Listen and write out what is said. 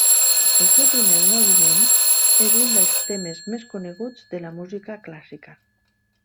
El seu primer moviment és un dels temes més coneguts de la música clàssica.